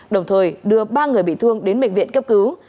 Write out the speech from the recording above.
đồng thời đưa ba người bị thương đến bệnh viện cấp cứu